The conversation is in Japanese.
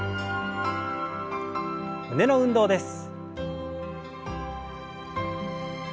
胸の運動です。